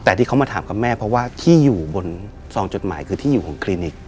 แต่ที่เขามาถามกับแม่เพราะว่าที่อยู่บนซองจดหมายคือที่อยู่ของคลินิก